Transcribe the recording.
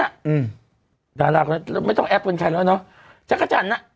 อืมดาราคนนั้นไม่ต้องแอปเป็นใครแล้วเนอะจักรจันทร์อ่ะ